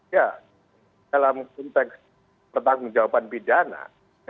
ya dalam konteks pertanggung jawaban pidana